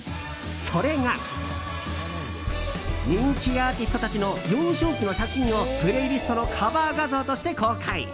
それが、人気アーティストたちの幼少期の写真をプレイリストのカバー画像として公開。